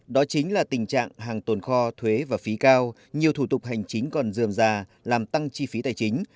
đó chính là tình trạng hàng tồn kho thuế và phí cao nhiều thủ tục hành chính còn dườm già làm tăng chi phí tài chính